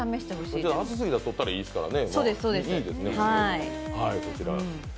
暑すぎたら取ったらいいですからね。